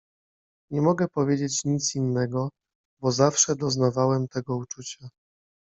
— Nie mogę powiedzieć nic innego… bo zawsze doznawałem tego uczucia.